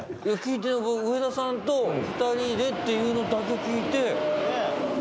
いや上田さんと２人でっていうのだけ聞いて。